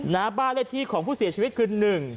หน้าบ้านเลขที่ของผู้เสียชีวิตคือ๑